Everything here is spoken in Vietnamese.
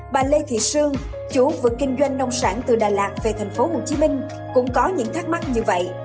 bà lê thị sương chủ vực kinh doanh nông sản từ đà lạt về thành phố hồ chí minh cũng có những thắc mắc như vậy